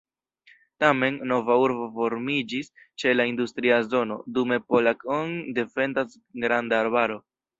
Tamen, nova urbo formiĝis ĉe la industria zono, dume Polack-on defendas granda arbaro.